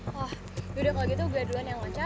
wah ya udah kalau gitu gue duluan yang loncat